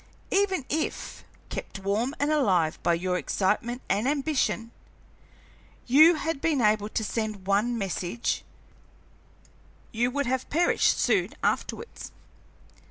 Even if, kept warm and alive by your excitement and ambition, you had been able to send one message, you would have perished soon afterwards."